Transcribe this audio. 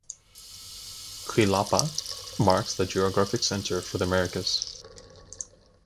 Cuilapa marks the geographic center of the Americas.